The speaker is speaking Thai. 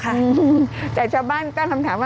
กรมป้องกันแล้วก็บรรเทาสาธารณภัยนะคะ